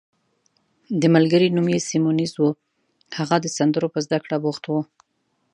د ملګري نوم یې سیمونز وو، هغه د سندرو په زده کړه بوخت وو.